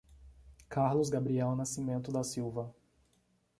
Carlos Gabriel Nascimento da Silva